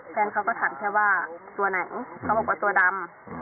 แฟนเขาก็ถามแค่ว่าตัวไหนเขาบอกว่าตัวดำ